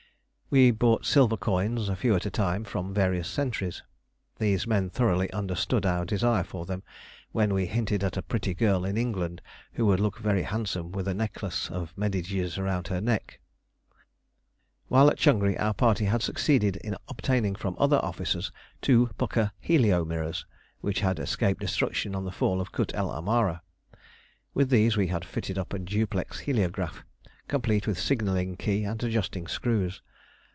We bought silver coins, a few at a time, from various sentries. These men thoroughly understood our desire for them when we hinted at a pretty girl in England who would look very handsome with a necklace of medjidies round her neck. While at Changri our party had succeeded in obtaining from other officers two pukka helio mirrors, which had escaped destruction on the fall of Kut el Amara. With these we had fitted up a duplex heliograph, complete with signalling key and adjusting screws.